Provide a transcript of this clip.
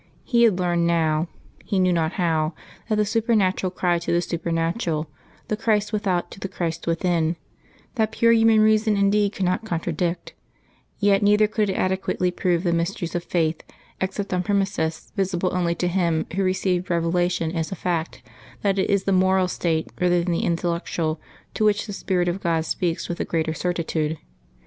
He had learned now (he knew not how) that the supernatural cried to the supernatural; the Christ without to the Christ within; that pure human reason indeed could not contradict, yet neither could it adequately prove the mysteries of faith, except on premisses visible only to him who receives Revelation as a fact; that it is the moral state, rather than the intellectual, to which the Spirit of God speaks with the greater certitude.